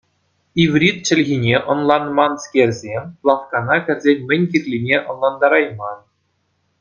Иврит чӗлхине ӑнланманскерсем лавккана кӗрсен мӗн кирлине ӑнлантарайман.